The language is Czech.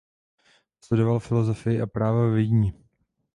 Studoval filozofii a práva ve Vídni.